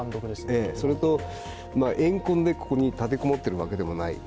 それと、怨恨でここに立て籠もっているわけでもない。